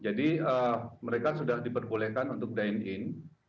jadi mereka sudah diperbolehkan untuk dine in